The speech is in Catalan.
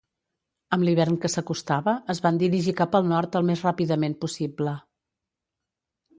Amb l'hivern que s'acostava, es van dirigir cap al nord al més ràpidament possible.